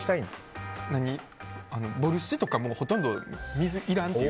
ボルシチとかもほとんど水いらん。